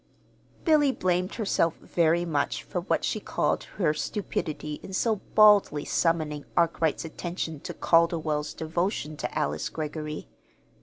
Billy blamed herself very much for what she called her stupidity in so baldly summoning Arkwright's attention to Calderwell's devotion to Alice Greggory.